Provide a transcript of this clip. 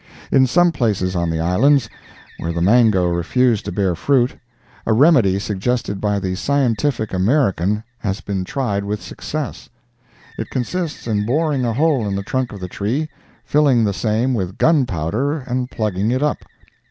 In some places on the islands where the mango refused to bear fruit, a remedy suggested by the Scientific American has been tried with success. It consists in boring a hole in the trunk of the tree, filling the same with gunpowder and plugging it up.